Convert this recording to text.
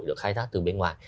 được khai thác từ bên ngoài